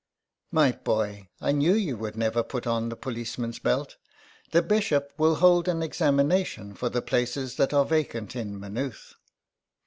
" My boy, I knew you would never put on the policeman's belt. The bishop will hold an examina tion for the places that are vacant in Maynooth."